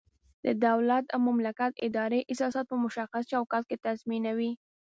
د دولت او مملکت ادارې اساسات په مشخص چوکاټ کې تنظیموي.